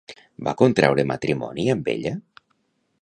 Va contraure matrimoni amb ella?